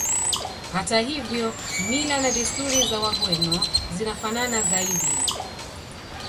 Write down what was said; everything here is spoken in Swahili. Hata hivyo mila na desturi za Wagweno zinafanana zaidi